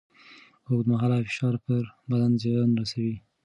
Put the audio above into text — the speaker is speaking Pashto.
اوږدمهاله فشار پر بدن زیان رسوي.